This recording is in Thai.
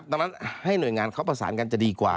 ดังนั้นให้หน่วยงานเขาประสานกันจะดีกว่า